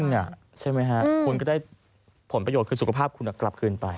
แค่คุณออกมาวิ่งใช่ไหมคะคุณก็ได้ผลประโยชน์คือสุขภาพคุณก็กลับขึ้นไป